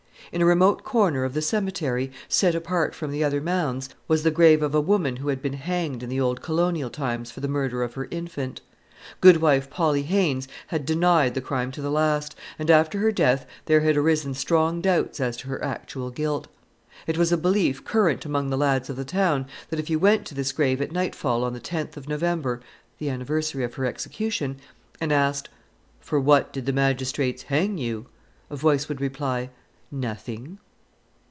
In a remote corner of the cemetery, set apart from the other mounds, was the grave of a woman who had been hanged in the old colonial times for the murder of her infant. Goodwife Polly Haines had denied the crime to the last, and after her death there had arisen strong doubts as to her actual guilt. It was a belief current among the lads of the town, that if you went to this grave at nightfall on the 10th of November the anniversary of her execution and asked, "For what did the magistrates hang you?" a voice would reply, "Nothing."